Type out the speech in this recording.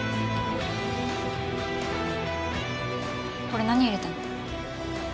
これ何入れたの？